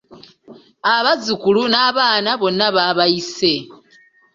Abazzukulu n’abaana bonna baabayise.